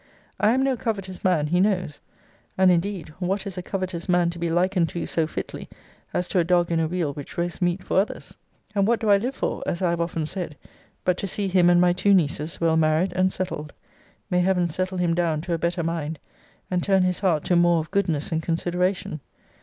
I am no covetous man, he knows. And, indeed, what is a covetous man to be likened to so fitly, as to a dog in a wheel which roasts meat for others? And what do I live for, (as I have often said,) but to see him and my two nieces well married and settled. May Heaven settle him down to a better mind, and turn his heart to more of goodness and consideration!